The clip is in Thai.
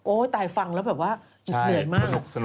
ตายฟังแล้วแบบว่าเหนื่อยมาก